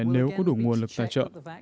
nếu có đủ nguồn lực tài trợ